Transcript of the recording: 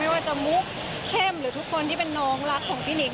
ว่าจะมุกเข้มหรือทุกคนที่เป็นน้องรักของพี่หนิง